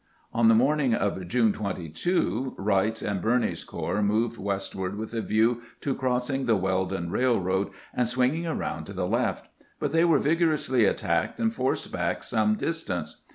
On the morning of June 22, Wright's and Birney's corps moved westward with a view to crossing the Weldon Railroad and swinging around to the left ; but they were vigorously attacked and forced back some distance.